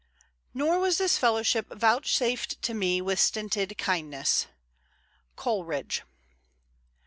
Nor was this fellowship vouchsafed to me With stinted kindness. Coleridge.